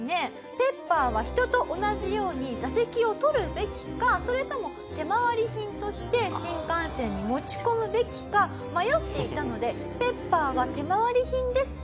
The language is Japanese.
ペッパーは人と同じように座席を取るべきかそれとも手回り品として新幹線に持ち込むべきか迷っていたので「ペッパーは手回り品ですか？